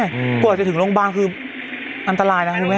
อืมกว่าจะถึงโรงพยาบาลคืออันตรายนะครับทุกคนแหม